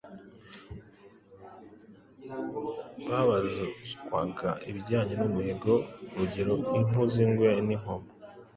babazwaga ibijyanye n'umuhigo, urugero impu z'ingwe n'inkomo